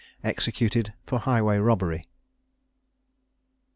EXECUTED FOR HIGHWAY ROBBERY.